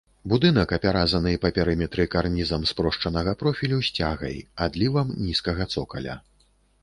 Будынак апяразаны па перыметры карнізам спрошчанага профілю з цягай, адлівам нізкага цокаля.